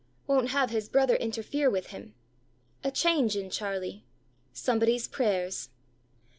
Won't have his brother interfere with him. A change in Charlie. Somebody's prayers.